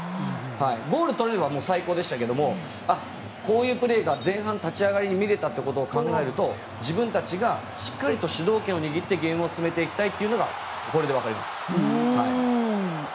ゴールを取れれば最高でしたがこういうプレーが前半、立ち上がりに見れたことを考えると自分たちがしっかりと主導権を握ってゲームを進めていきたいというのがこれでわかります。